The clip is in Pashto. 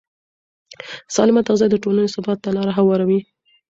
سالمه تغذیه د ټولنې ثبات ته لاره هواروي.